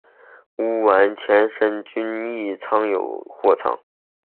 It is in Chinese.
屋苑前身为均益仓拥有的货仓。